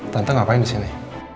tante ngapain disini